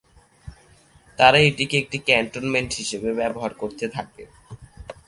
তারা এটিকে একটি ক্যান্টনমেন্ট হিসেবে ব্যবহার করতে থাকে।